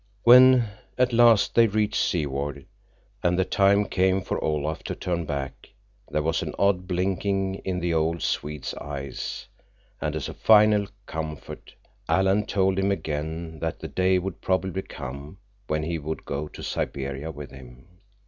When at last they reached Seward, and the time came for Olaf to turn back, there was an odd blinking in the old Swede's eyes, and as a final comfort Alan told him again that the day would probably come when he would go to Siberia with him.